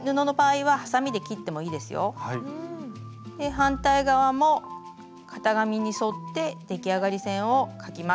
反対側も型紙に沿って出来上がり線を描きます。